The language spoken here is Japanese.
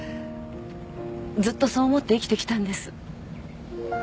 ずっとそう思って生きてきたんです。